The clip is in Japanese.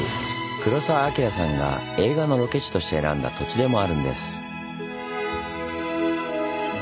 黒澤明さんが映画のロケ地として選んだ土地でもあるんです。